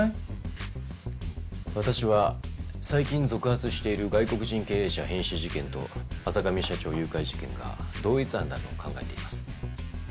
私は最近続発している外国人経営者変死事件と阿座上社長誘拐事件が同一犯だと考えています。